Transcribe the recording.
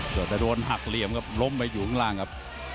แต่โดนหักเหลี่ยมครับล้มไปอยู่ข้างล่างครับ